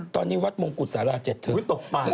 ตอนนี้วัดมงกุศราชเจ็ดเธออุ๊ยตกปาก